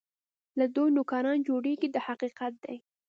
له دوی نوکران جوړېږي دا حقیقت دی.